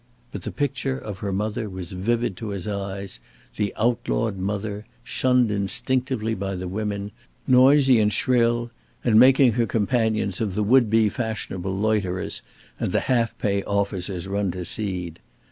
But the picture of her mother was vivid to his eyes, the outlawed mother, shunned instinctively by the women, noisy and shrill, and making her companions of the would be fashionable loiterers and the half pay officers run to seed.